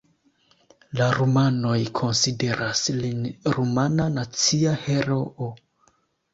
La rumanoj konsideras lin rumana nacia heroo.